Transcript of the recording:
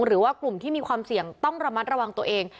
หรือว่ากลุ่มที่มีความเสี่ยงต้องระมัดระวังตัวเอง